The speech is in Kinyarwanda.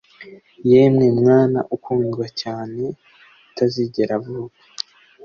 Yemwe mwana ukundwa cyane utazigera avuka